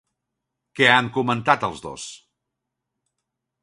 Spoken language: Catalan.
Què han comentat els dos?